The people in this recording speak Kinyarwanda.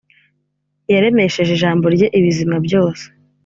Yaremesheje ijambo rye ibizima byose